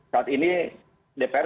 saat ini dpr